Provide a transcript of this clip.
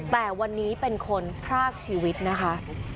แต่วันนี้เป็นคนพรากชีวิตนะคะ